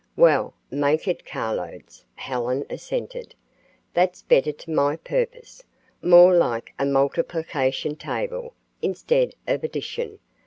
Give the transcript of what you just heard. "Well, make it carloads," Helen assented. "That's better to my purpose, more like a multiplication table, instead of addition.